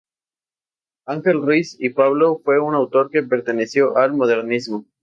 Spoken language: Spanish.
Ángel Ruiz y Pablo fue un autor que perteneció al modernismo.